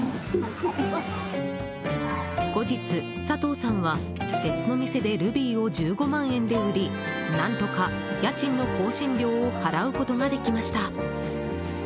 後日、佐藤さんは別の店でルビーを１５万円で売り何とか家賃の更新料を払うことができました。